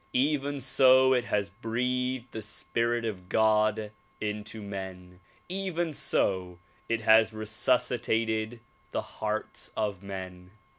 Even so it has breathed the spirit of God into men. Even so it has resuscitated the hearts of men.